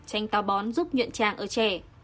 chanh tàu bón giúp nhuận tràng ở trẻ